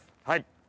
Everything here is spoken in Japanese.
はい。